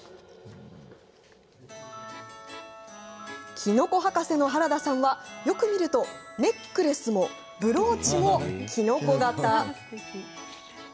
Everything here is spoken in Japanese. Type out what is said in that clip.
キノコ博士の原田さんはよく見るとネックレスもブローチも、キノコ形。